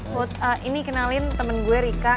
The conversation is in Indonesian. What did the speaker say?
put ini kenalin temen gue rika